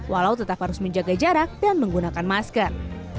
walau tetap harus menjaga jarak dan menggunakan masker